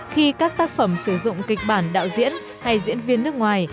khi các tác phẩm sử dụng kịch bản đạo diễn hay diễn viên nước ngoài